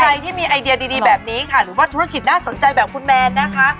ใครที่มีไอเดียดีแบบนี้ค่ะหรือว่าธุรกิจน่าสนใจแบบคุณแมนนะคะ